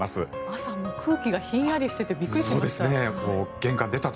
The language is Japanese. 朝、空気がひんやりとしていてびっくりしました。